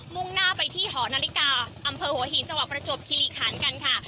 ่งหน้าไปที่หอนาฬิกาอำเภอหัวหินจังหวัดประจวบคิริคันกันค่ะ